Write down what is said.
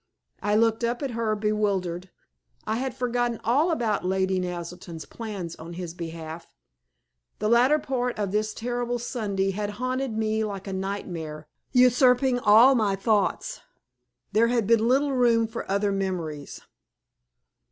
I looked up at her bewildered. I had forgotten all about Lady Naselton's plans on his behalf. The latter part of this terrible Sunday had haunted me like a nightmare, usurping all my thoughts. There had been little room for other memories.